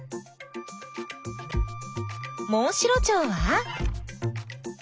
モンシロチョウは？